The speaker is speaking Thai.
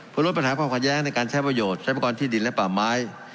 ฝนลดปัญหาความข้าวแย้งในการใช้ประโยชน์ทรัพยากรที่ดินและป่าไม้